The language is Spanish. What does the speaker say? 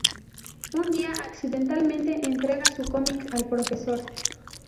Un día, accidentalmente, entrega su cómic al profesor.